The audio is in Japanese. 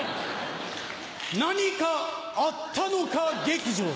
「何かあったのか劇場」